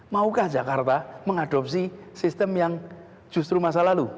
maukah jakarta mengadopsi sistem yang justru masa lalu